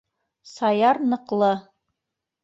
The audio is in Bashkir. Саяр ныҡлы.